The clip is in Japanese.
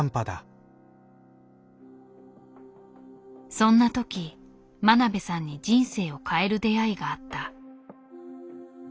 そんな時真鍋さんに人生を変える出会いがあった。